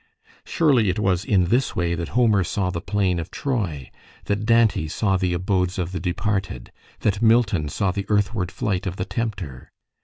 Surely it was in this way that Homer saw the plain of Troy, that Dante saw the abodes of the departed, that Milton saw the earthward flight of the Tempter.